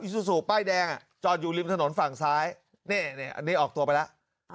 ซูซูป้ายแดงจอดอยู่ริมถนนฝั่งซ้ายนี่อันนี้ออกตัวไปแล้ว